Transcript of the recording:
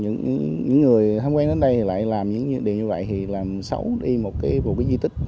những người tham quan đến đây thì lại làm những điều như vậy thì làm xấu đi một cái vùng di tích